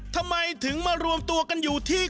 ทำไมถึงมารวมตัวกันอยู่ที่